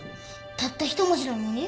たった一文字なのに？